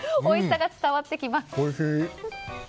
おいしさが伝わってきます。